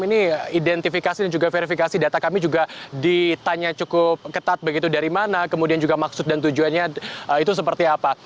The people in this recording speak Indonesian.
ini identifikasi dan juga verifikasi data kami juga ditanya cukup ketat begitu dari mana kemudian juga maksud dan tujuannya itu seperti apa